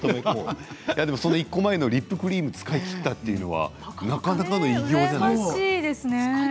でもリップクリーム使い切ったというのはなかなかの偉業じゃないですか。